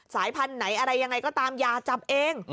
สายพันธุ์ไหนอะไรยังไงก็ตามอย่าจับเอง